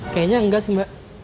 kayaknya enggak sih mbak